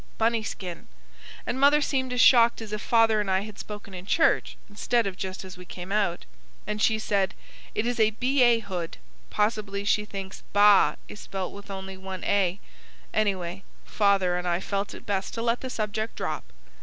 Bunny skin." And mother seemed as shocked as if father and I had spoken in church, instead of just as we came out. And she said: "It is a B.A. hood." Possibly she thinks "baa" is spelled with only one "a." Anyway father and I felt it best to let the subject drop.'"